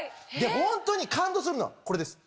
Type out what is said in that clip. ホントに感動するのはこれです。